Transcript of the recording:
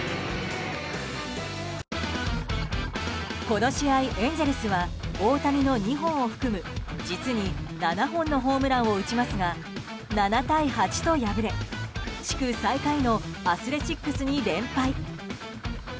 この試合、エンゼルスは大谷の２本を含む、実に７本のホームランを打ちますが７対８と敗れ地区最下位のアスレチックスに連敗。